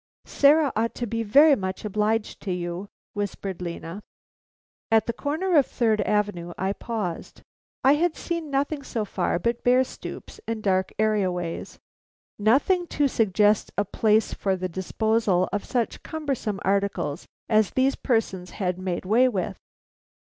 "Sarah ought to be very much obliged to you," whispered Lena. At the corner of Third Avenue I paused. I had seen nothing so far but bare stoops and dark area ways. Nothing to suggest a place for the disposal of such cumbersome articles as these persons had made way with.